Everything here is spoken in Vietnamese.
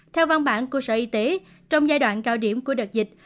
theo văn bản của sở y tế trong giai đoạn cao điểm của đợt dịch